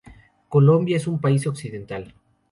Colombia es un país occidental.